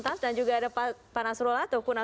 ternyata dia salamnya